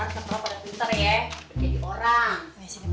tepar tepar pada pinter ya